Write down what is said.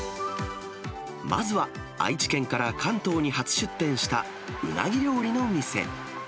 まずは、愛知県から関東に初出店した、うなぎ料理の店。